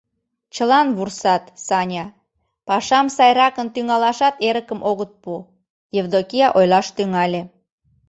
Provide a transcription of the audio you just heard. — Чылан вурсат, Саня, пашам сайракын тӱҥалашат эрыкым огыт пу, — Евдокия ойлаш тӱҥале.